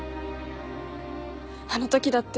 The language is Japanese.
あの時だって。